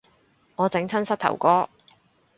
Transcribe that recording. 我整親膝頭哥